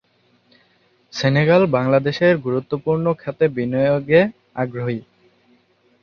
Senegal বাংলাদেশের গুরুত্বপূর্ণ খাতে বিনিয়োগে আগ্রহী।